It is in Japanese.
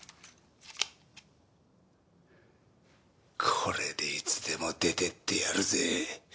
これでいつでも出てってやるぜ。